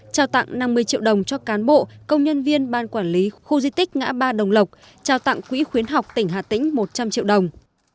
trao tặng năm mươi triệu đồng cho cán bộ công nhân viên ban quản lý khu di tích ngã ba đồng lộc trao tặng quỹ khuyến học tỉnh hà tĩnh một trăm linh triệu đồng